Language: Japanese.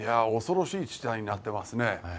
恐ろしい事態になってますね。